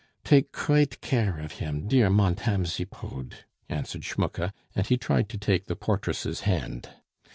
"Take crate care of him, dear Montame Zipod," answered Schmucke, and he tried to take the portress' hand.